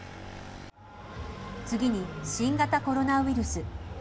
次に、新型コロナウイルス。